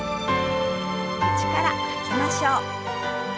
口から吐きましょう。